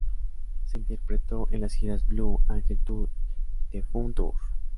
Se interpretó en las giras Blue Angel Tour y The Fun Tour.